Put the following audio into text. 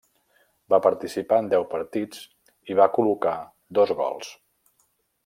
Va participar en deu partits i va col·locar dos gols.